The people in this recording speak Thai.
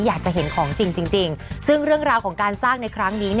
อยากจะเห็นของจริงซึ่งเรื่องราวของการสร้างในครั้งนี้